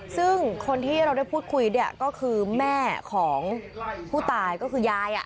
ซึ่งคนที่เราได้พูดคุยเนี่ยก็คือแม่ของผู้ตายก็คือยาย